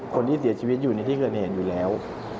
คนที่เสียชีวิตอยู่ในที่เกิดเหตุอยู่แล้ว